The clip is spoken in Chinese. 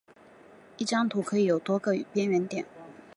一张图可以有多个边缘点。